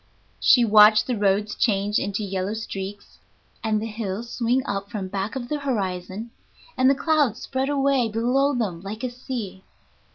She watched the roads change into yellow streaks, and the hills swing up from back of the horizon, and the clouds spread away below them like a sea.